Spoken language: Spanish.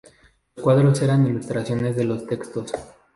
Los cuadros eran ilustraciones de los textos.